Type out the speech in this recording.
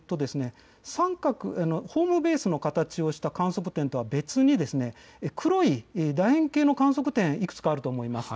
ホームベースの形をした観測点とは別に黒いだ円形の観測点がいくつかあると思います。